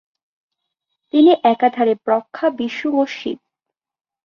তিনি একাধারে ব্রহ্মা, বিষ্ণু ও শিব।